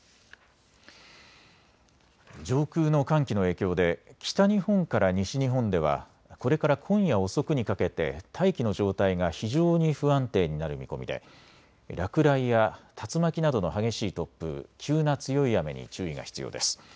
上空の寒気の影響で北日本から西日本ではこれから今夜遅くにかけて大気の状態が非常に不安定になる見込みで落雷や竜巻などの激しい突風、急な強い雨に注意が必要です。